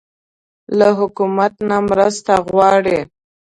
له حکومت نه مرسته غواړئ؟